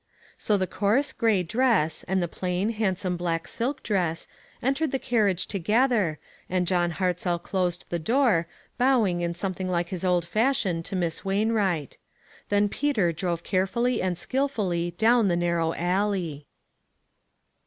So the coarse, gray dress, and the plain, handsome black silk dress, entered the car riage together, and John Hartzell closed the door, bowing in something like his old fash ion to Miss Wainwright. Then Peter drove carefully and skilfully down the narrow alley.